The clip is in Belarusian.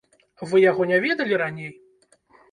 Вы яго не ведалі раней?